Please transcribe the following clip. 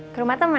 ke rumah temen